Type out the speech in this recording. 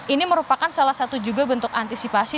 ini merupakan salah satu juga bentuk antisipasi